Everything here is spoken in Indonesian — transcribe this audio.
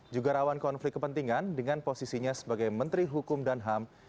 juga rawan konflik kepentingan dengan posisinya sebagai menteri hukum dan ham